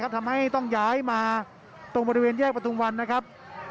ทำให้ต้องย้ายมาตรงบริเวณแยกประทุมวันนะครับ